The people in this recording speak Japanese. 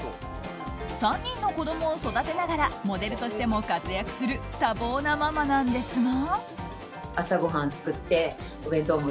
３人の子供を育てながらモデルとしても活躍する多忙なママなんですが。